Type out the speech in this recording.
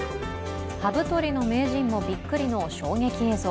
ハブとりの名人もびっくりの衝撃映像。